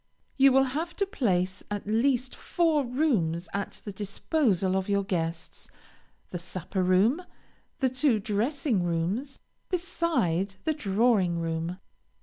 You will have to place at least four rooms at the disposal of your guests the supper room, and two dressing rooms, beside the drawing room.